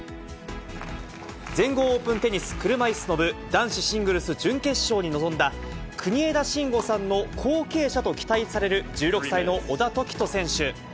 全豪オープンテニス車いすの部男子シングルス準決勝に臨んだ、国枝慎吾さんの後継者と期待される１６歳の小田凱人選手。